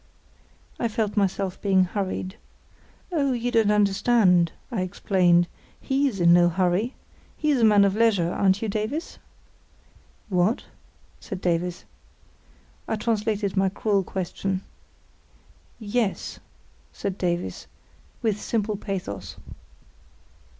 I felt myself being hurried. "Oh, you don't understand," I explained; "he's in no hurry. He's a man of leisure; aren't you, Davies?" "What?" said Davies. I translated my cruel question. "Yes," said Davies, with simple pathos.